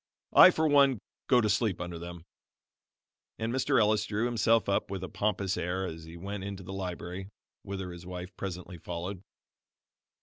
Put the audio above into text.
I, for one, go to sleep under them." And Mr. Ellis drew himself up with a pompous air as he went into the library, whither his wife presently followed.